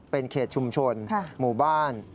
เป็นเขตชุมชนหมู่บ้าน